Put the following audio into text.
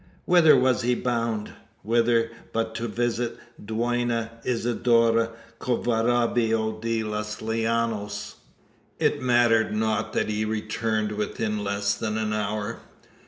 Whither was he bound? Whither, but to visit Dona Isidora Covarubio de los Llanos? It mattered not that he returned within less than an hour.